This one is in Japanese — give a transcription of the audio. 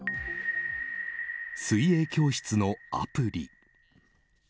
水泳教室のアプリ。